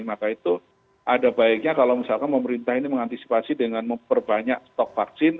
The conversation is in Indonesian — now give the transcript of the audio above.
maka itu ada baiknya kalau misalkan pemerintah ini mengantisipasi dengan memperbanyak stok vaksin